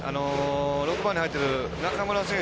６番に入ってる中村選手